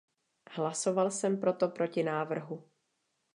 Hlasoval jsem proto proti návrhu.